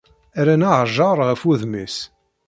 Rran aɛjaṛ ɣef wudem-is.